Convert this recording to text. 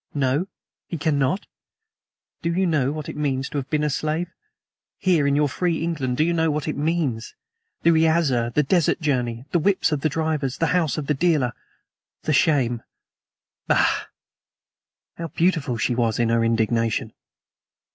"No? He cannot? Do you know what it means to have been a slave? Here, in your free England, do you know what it means the razzia, the desert journey, the whips of the drivers, the house of the dealer, the shame. Bah!" How beautiful she was in her indignation!